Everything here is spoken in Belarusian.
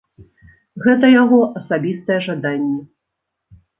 Гэта яго асабістае жаданне.